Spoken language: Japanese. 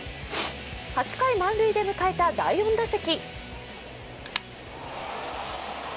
８回満塁で迎えた第４打席。